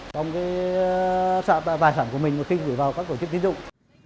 trong tài sản của mình một khi gửi vào các tổ chức tín dụng